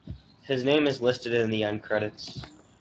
His name is listed in the end credits.